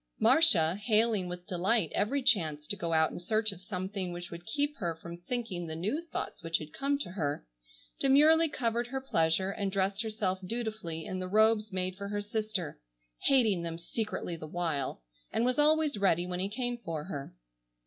Marcia, hailing with delight every chance to go out in search of something which would keep her from thinking the new thoughts which had come to her, demurely covered her pleasure and dressed herself dutifully in the robes made for her sister, hating them secretly the while, and was always ready when he came for her.